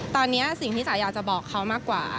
ตอนนี้สิ่งที่จ๋าอยากจะบอกเขามากกว่า